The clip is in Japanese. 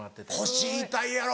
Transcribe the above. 腰痛いやろ？